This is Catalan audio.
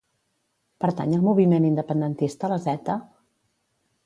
Pertany al moviment independentista la Zeta?